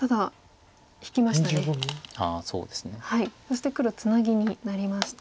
そして黒ツナギになりました。